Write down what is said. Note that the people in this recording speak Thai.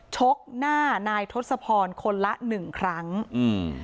ชกหน้านายทศพรคนละหนึ่งครั้งอืม